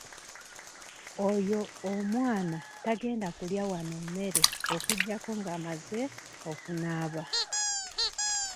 Oyo omwana tagenda kulya wanno mmere okuggyako ng'amaze okunaaba.